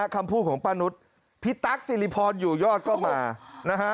คำพูดของป้านุษย์พี่ตั๊กสิริพรอยู่ยอดก็มานะฮะ